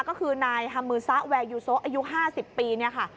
ก็คือนายฮัมมือซะแวร์ยูโซอายุ๕๐ปีเนี่ยค่ะ